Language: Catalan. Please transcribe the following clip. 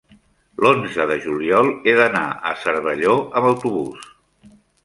l'onze de juliol he d'anar a Cervelló amb autobús.